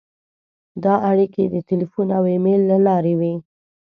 دا اړیکې د تیلفون او ایمېل له لارې وې.